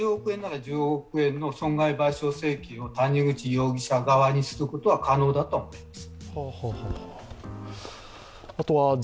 少なくとも多分、全額、１０億円なら１０億円の損害賠償請求を谷口容疑者側にすることは可能だとは思っています。